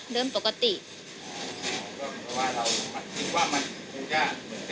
ได้เหยียบบนไฟป่ะ